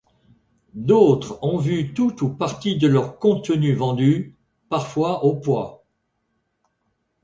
D'autres ont vu tout ou partie de leur contenu vendu, parfois au poids.